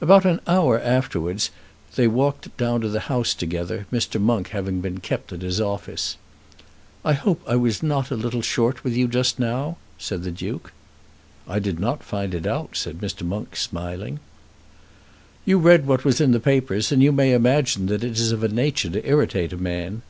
About an hour afterwards they walked down to the Houses together, Mr. Monk having been kept at his office. "I hope I was not a little short with you just now," said the Duke. "I did not find it out," said Mr. Monk, smiling. "You read what was in the papers, and you may imagine that it is of a nature to irritate a man.